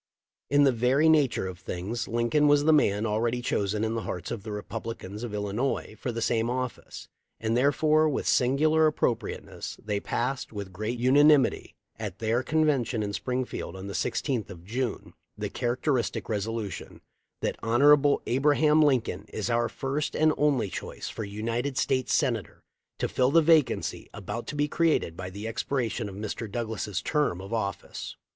In the very nature of things Lincoln was the man already chosen in the hearts of the Republicans of Illinois for the same office, and therefore with singular appropriate ness they passed, with great unanimity, at their con vention in Springfield on the 16th of June, the characteristic resolution : "That Hon. Abraham Lincoln is our first and only choice for United States Senator to fill the vacancy about to be created by the expiration of Mr. Douglas' term of office."